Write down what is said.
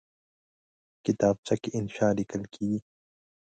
کتابچه کې انشاء لیکل کېږي